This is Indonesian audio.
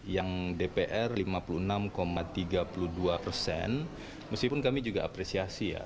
yang dpr lima puluh enam tiga puluh dua persen meskipun kami juga apresiasi ya